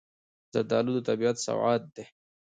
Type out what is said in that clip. زردالو د طبیعت سوغات دی.